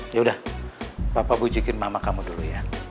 ya udah pa bujukin mama kamu dulu ya